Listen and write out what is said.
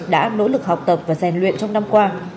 đã nỗ lực học tập và rèn luyện trong năm qua